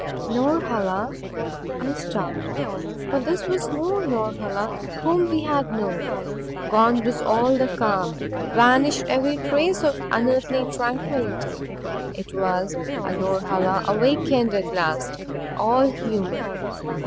"Norhala " I stopped. For this was no Norhala whom we had known. Gone was all calm, vanished every trace of unearthly tranquillity. It was a Norhala awakened at last all human.